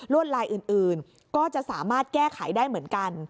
วดลายอื่นก็จะสามารถแก้ไขได้เหมือนกัน